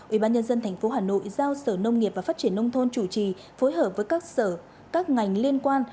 ubnd tp hà nội giao sở nông nghiệp và phát triển nông thôn chủ trì phối hợp với các sở các ngành liên quan